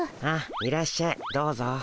あっいらっしゃいどうぞ。